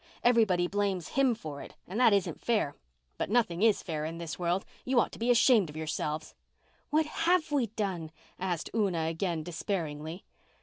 Everybody blames him for it, and that isn't fair. But nothing is fair in this world. You ought to be ashamed of yourselves." "What have we done?" asked Una again, despairingly.